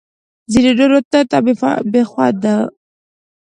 ځینو نورو تت او بې خونده